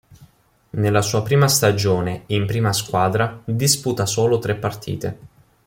Nella sua prima stagione in prima squadra disputa solo tre partite.